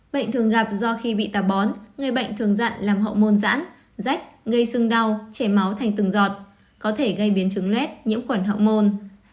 bệnh thường gặp do khi bị tà bón người bệnh thường dặn làm hậu môn giãn rách gây sưng đau chảy máu thành từng giọt có thể gây biến chứng lét nhiễm khuẩn họng môn